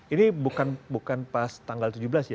ini bukan pas tanggal tujuh belas ya